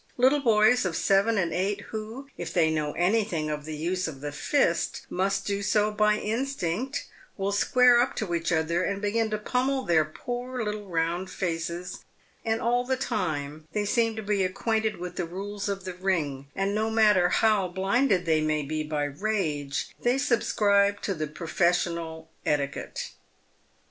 Little boys of seven and eight, who, if they know anything of the use of the fist, must do so by instinct, will square up to each other and begin to pummel their poor little round faces, and all the time they seem to be acquainted with the rules of the ring, and no matter how blinded they may be by rage, they subscribe to the professional etiquette.